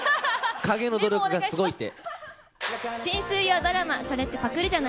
陰の努力がすごいって。